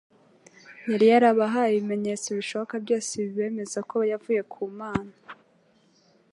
Yari yarabahaye ibimenyetso bishoboka byose bibemeza ko yavuye ku Mana;